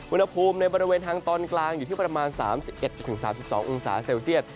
อุณหภูมิในบริเวณทางตอนกลางอยู่ที่ประมาณ๓๑๓๒องศาเซลเซียต